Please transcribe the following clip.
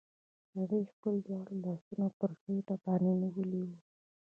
هغې خپل دواړه لاسونه پر خېټې باندې نيولي وو.